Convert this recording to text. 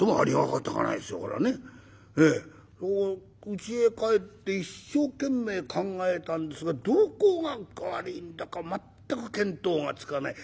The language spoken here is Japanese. うちへ帰って一生懸命考えたんですがどこが悪いんだか全く見当がつかない。